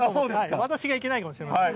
私がいけないのかもしれません。